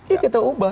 ya kita ubah